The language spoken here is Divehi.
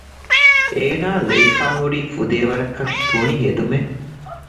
އޭނާއަށް ލެވިފައި ހުރީ ފުދޭވަރަކަށް ތުނި ހެދުމެއް